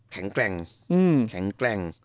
แข็งแกร่งแข็งแกร่ง